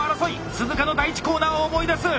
鈴鹿の第１コーナーを思い出す！